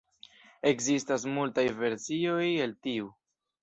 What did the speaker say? Ekzistas multaj versioj el tiu.